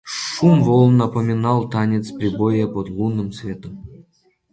Шум волн напоминал танец прибоя под лунным светом.